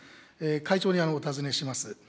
会長にお尋ねします。